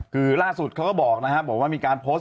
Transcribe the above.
คือล่าสุดเขาก็บอกนะครับบอกว่ามีการโพสต์